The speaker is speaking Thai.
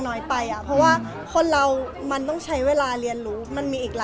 ก็ถ้าเกิดว่าพาไปทำอะไรดีด้วยกันมันก็ดีค่ะ